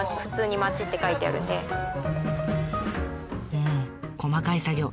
うん細かい作業。